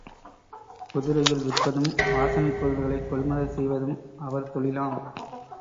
குதிரைகள் விற்பதும், வாசனைப் பொருள்களைக் கொள்முதல் செய்வதும் அவர்தொழிலாம்.